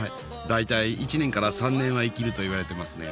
大体１年から３年は生きるといわれてますね。